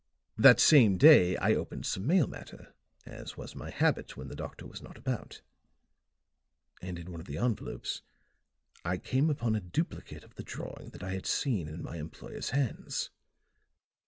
That same day I opened some mail matter, as was my habit when the doctor was not about; and in one of the envelopes I came upon a duplicate of the drawing that I had seen in my employer's hands.